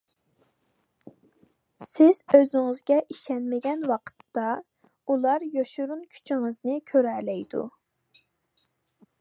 سىز ئۆزىڭىزگە ئىشەنمىگەن ۋاقىتتا، ئۇلار يوشۇرۇن كۈچىڭىزنى كۆرەلەيدۇ.